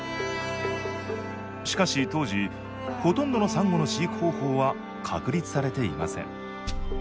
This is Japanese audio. しかし当時ほとんどのサンゴの飼育方法は確立されていません。